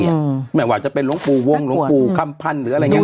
หมายความว่าจะเป็นลงปู่วงลงปู่คำพันธุ์หรืออะไรอย่างนี้